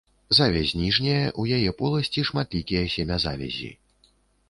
Завязь ніжняя, у яе поласці шматлікія семязавязі.